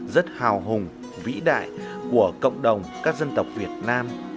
rất hào hùng vĩ đại của cộng đồng các dân tộc việt nam